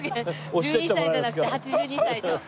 １２歳じゃなくて８２歳と。